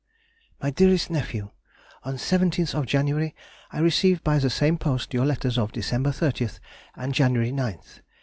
_ MY DEAREST NEPHEW,— On the 17th January I received by the same post your letters of December 30th and January 9th.